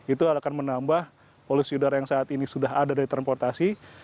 itu akan menambah polusi udara yang saat ini sudah ada dari transportasi